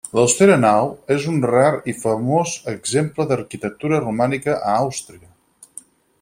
L'austera nau és un rar i famós exemple d'arquitectura romànica a Àustria.